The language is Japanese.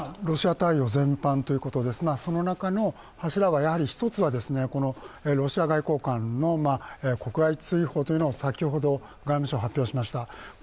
ロシア対応全般ということで、その中の柱は、１つはロシア外交官の国外追放というのを先ほど、外務省が発表しました。